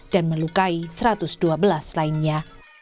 dan melukai satu ratus dua belas lainnya